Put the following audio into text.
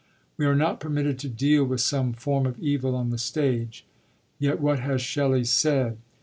We are not permitted to deal with some form of evil on the stage. Yet what has Shelley said?